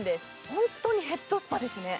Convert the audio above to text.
本当にヘッドスパですね。